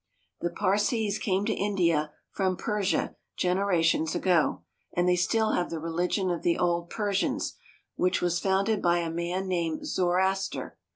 The Parsees came to India from Persia generations ago, and they still have the religion of the old Persians, which was founded by a man named Zoroaster.